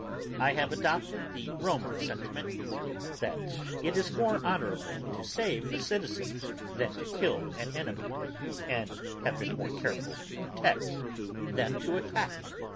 I have adopted the Roman sentiment, that it is more honourable to save a citizen, than to kill an enemy, and have been more careful to protect than to attack.